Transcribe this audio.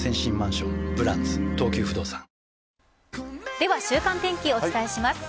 では、週間天気お伝えします。